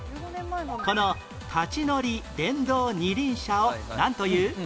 この立ち乗り電動二輪車をなんという？